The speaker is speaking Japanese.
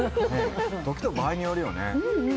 時と場合によるよね。